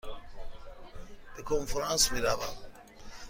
به کنفرانس می روم.